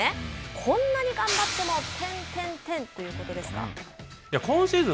こんなに頑張ってもということ今シーズン